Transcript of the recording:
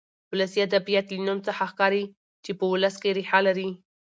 ولسي ادبيات له نوم څخه ښکاري چې په ولس کې ريښه لري.